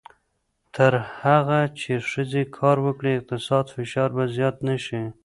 تر هغه چې ښځې کار وکړي، اقتصادي فشار به زیات نه شي.